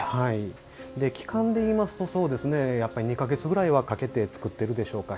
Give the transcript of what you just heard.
期間でいいますと２か月ぐらいはかけて作っているでしょうか。